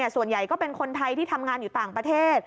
ส่วนใหญ่ก็เป็นคนไทยที่ทำงานอยู่ต่างประเทศ